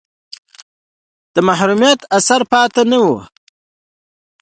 د محرومیت اثر پاتې نه وي.